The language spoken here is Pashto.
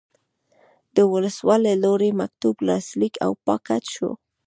د ولسوال له لوري مکتوب لاسلیک او پاکټ شو.